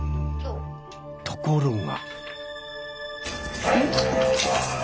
ところが。